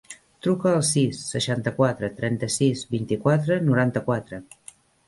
Truca al sis, seixanta-quatre, trenta-sis, vint-i-quatre, noranta-quatre.